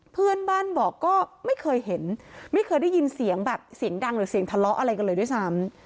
เพื่อนบ้านบอกก็ไม่เคยเห็นไม่เคยได้ยินเสียงแบบเสียงดังหรือเสียงทะเลาะอะไรกันเลยด้วยซ้ำ